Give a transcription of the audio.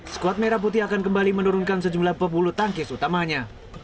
skuad merah putih akan kembali menurunkan sejumlah pebulu tangkis utamanya